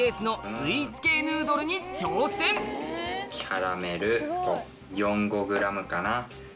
翔はキャラメル４５ｇかな。